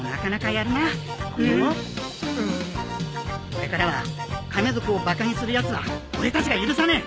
これからは亀族をバカにするやつは俺たちが許さねえ。